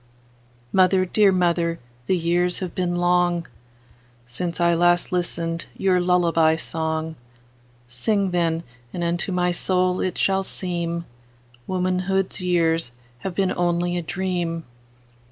Mother, dear mother, the years have been longSince I last listened your lullaby song:Sing, then, and unto my soul it shall seemWomanhood's years have been only a dream.